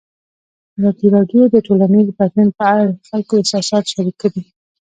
ازادي راډیو د ټولنیز بدلون په اړه د خلکو احساسات شریک کړي.